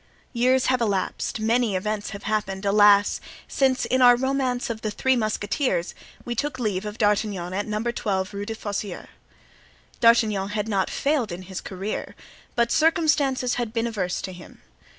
Years have elapsed, many events have happened, alas! since, in our romance of "The Three Musketeers," we took leave of D'Artagnan at No. 12 Rue des Fossoyeurs. D'Artagnan had not failed in his career, but circumstances had been adverse to him.